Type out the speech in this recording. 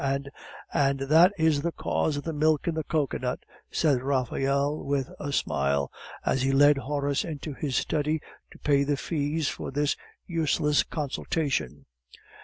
And " "And that is the cause of the milk in the cocoanut," said Raphael, with a smile, as he led Horace into his study to pay the fees for this useless consultation.